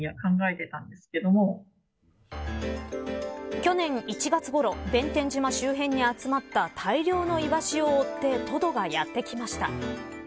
去年１月ごろ弁天島周辺に集まった大量のイワシを追ってトドがやってきました。